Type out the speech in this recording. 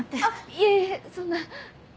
いえいえそんな。